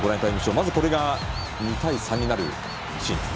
まず、これが２対３になるシーン。